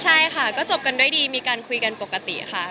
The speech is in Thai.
ใช่ค่ะก็จบกันด้วยดีมีการคุยกันปกติค่ะ